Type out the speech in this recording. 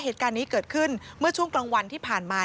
เหตุการณ์นี้เกิดขึ้นเมื่อช่วงกลางวันที่ผ่านมา